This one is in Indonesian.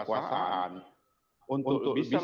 tapi kan bagi mereka yang memiliki kekuasaan